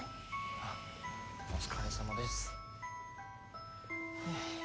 あっお疲れさまです。はあ。